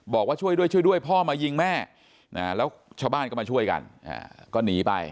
บอกว่าช่วยด้วยช่วยด้วยพ่อมายิงแม่แล้วชาวบ้านก็มาช่วยกันก็หนีไป